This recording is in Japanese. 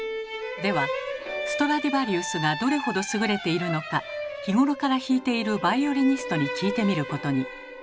ではストラディヴァリウスがどれほど優れているのか日頃から弾いているバイオリニストに聞いてみることに。